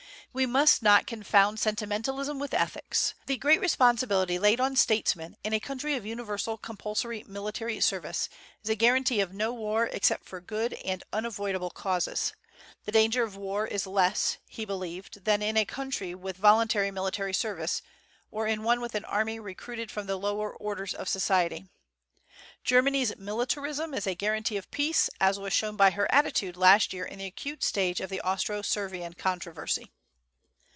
We must not confound sentimentalism with ethics. The great responsibility laid on statesmen in a country of universal compulsory military service is a guarantee of no war except for good and unavoidable causes. The danger of war is less, he believed, than in a country with voluntary military service or in one with an army recruited from the lower orders of society. Germany's militarism is a guarantee of peace, as was shown by her attitude last year in the acute stage of the Austro Servian controversy.